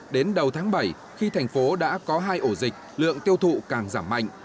đến đầu tháng bảy khi thành phố đã có hai ổ dịch lượng tiêu thụ càng giảm mạnh